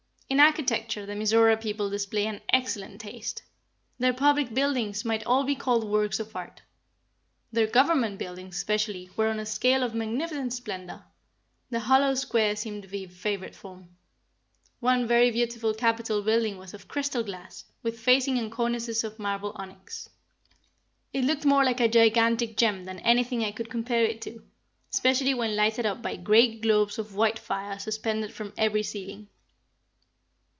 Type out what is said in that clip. In architecture the Mizora people display an excellent taste. Their public buildings might all be called works of art. Their government buildings, especially, were on a scale of magnificent splendor. The hollow square seemed to be a favorite form. One very beautiful capitol building was of crystal glass, with facing and cornices of marble onyx. It looked more like a gigantic gem than anything I could compare it to, especially when lighted up by great globes of white fire suspended from every ceiling.